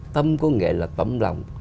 tâm có nghĩa là tâm lòng